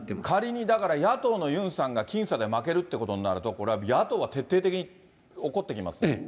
仮にだから野党のユンさんが僅差で負けるということになると、これは野党は徹底的に怒ってきますね。